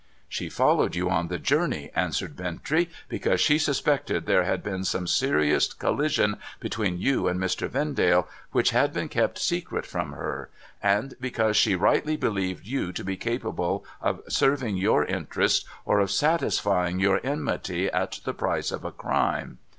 ' She followed you on the journey,' answered Bintrey, ' because she suspected there had been some serious collision between you and Mr. Vendale, which had been kept secret from her; and because she rightly believed you to be capable of serving your interests, or of satisfying your enmity, at the price of a crime.